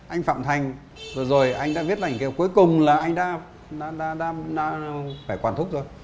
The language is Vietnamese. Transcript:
anh phạm thành vừa rồi anh đã viết lời kêu cuối cùng là anh đã phải quản thúc rồi